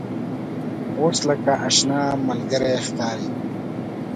اوس لکه آشنا ملګری ښکاري.